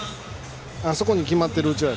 あそこに決まっているうちは。